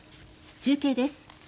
中継です。